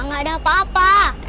gak ada apa apa